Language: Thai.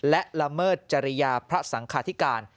และละเมิดจริยาพระสังคาธิการ